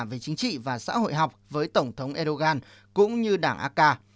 về chính trị và xã hội học với tổng thống erdogan cũng như đảng aka